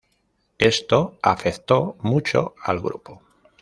Esto afectó mucho al grupo.